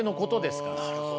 なるほど。